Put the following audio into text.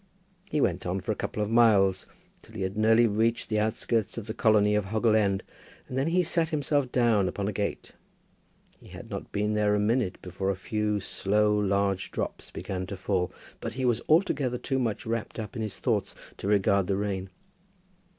He went on for a couple of miles, till he had nearly reached the outskirts of the colony of Hoggle End, and then he sat himself down upon a gate. He had not been there a minute before a few slow large drops began to fall, but he was altogether too much wrapped up in his thoughts to regard the rain.